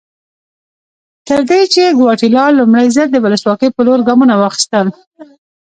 تر دې چې ګواتیلا لومړی ځل د ولسواکۍ په لور ګامونه واخیستل.